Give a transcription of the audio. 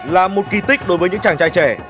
là một kỳ tích đối với những chàng trai trẻ